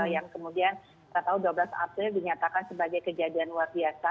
yang kemudian kita tahu dua belas april dinyatakan sebagai kejadian luar biasa